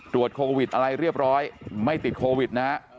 ตรวจโควิดอะไรเรียบร้อยไม่ติดโควิดนะฮะ